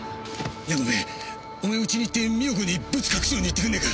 山部お前うちに行って美代子にブツ隠すように言ってくんねえか。